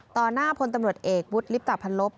หน้าพลตำรวจเอกวุฒิลิปตะพันลบ